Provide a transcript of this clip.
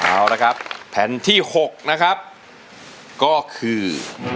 เอาละครับแผ่นที่๖นะครับก็คือ